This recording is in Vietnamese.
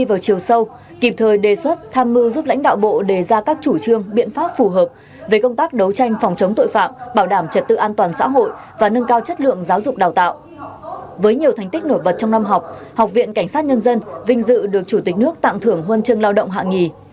với nhiều thành tích nổi bật trong năm học học viện cảnh sát nhân dân vinh dự được chủ tịch nước tạm thưởng huân chương lao động hạ nghỉ